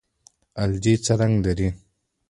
الجی څه رنګ لري؟